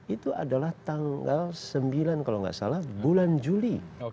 itu adalah tanggal sembilan kalau nggak salah bulan juli